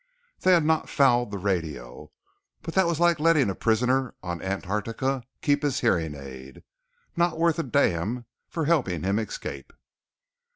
They had not fouled the radio. But that was like letting a prisoner on Antarctica keep his hearing aid. Not worth a damn for helping him escape.